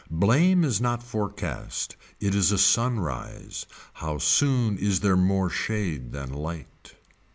Blame is not forecast it is a sunrise, how soon is there more shade than light.